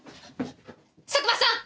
佐久間さん！